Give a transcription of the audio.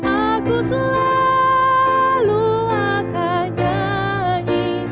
aku selalu akan nyanyi